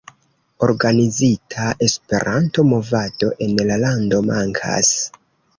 Organizita Esperanto-movado en la lando mankas.